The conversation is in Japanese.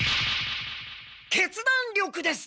決断力です。